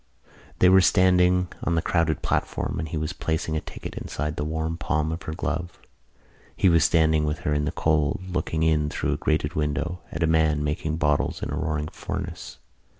They were standing on the crowded platform and he was placing a ticket inside the warm palm of her glove. He was standing with her in the cold, looking in through a grated window at a man making bottles in a roaring furnace.